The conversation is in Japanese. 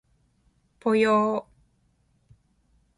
ぽよー